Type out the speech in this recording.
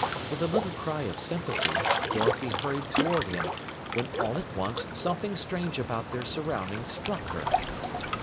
With a little cry of sympathy, Dorothy hurried toward him, when all at once something strange about their surroundings struck her.